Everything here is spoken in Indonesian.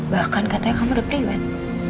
bahkan katanya kamu udah priwet